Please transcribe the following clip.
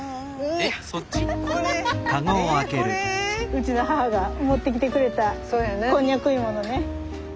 うちの母が持ってきてくれたコンニャク芋のね。